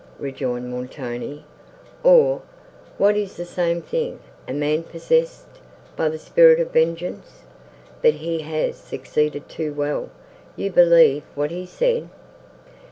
rejoined Montoni, "or, what is the same thing, a man possessed by the spirit of vengeance? But he has succeeded too well; you believe what he said."